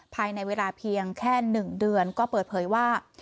ภายในเวลาเพียงแค่๑เดือนก็เปิดเผยว่า